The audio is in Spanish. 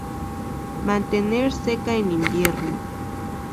Mantener seca en invierno.